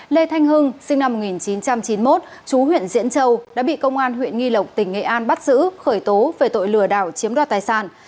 lê thanh hưng sinh năm một nghìn chín trăm chín mươi một chú huyện diễn châu đã bị công an huyện nghi lộc tỉnh nghệ an bắt giữ khởi tố về tội lừa đảo chiếm đoạt tài sản